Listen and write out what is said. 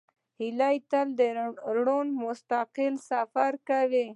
هیلۍ تل د روڼ مستقبل لپاره سفر کوي